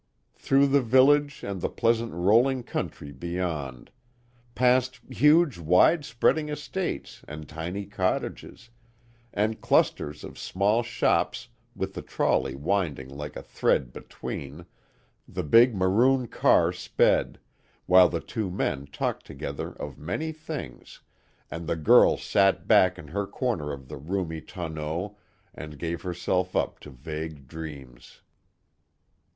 Through the village and the pleasant rolling country beyond; past huge, wide spreading estates and tiny cottages, and clusters of small shops with the trolley winding like a thread between, the big maroon car sped, while the two men talked together of many things, and the girl sat back in her corner of the roomy tonneau and gave herself up to vague dreams.